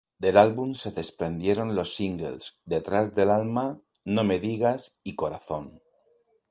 Del álbum se desprendieron los singles "Detrás del alma", "No me digas" y "Corazón".